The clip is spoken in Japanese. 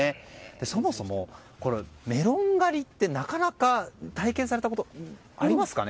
そもそもメロン狩りってなかなか体験されたことありますか？